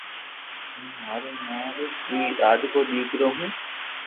ھون مارو ما رو لاڌڪو ديڪرو ھون